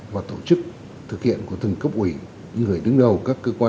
và đề cướp nicaragua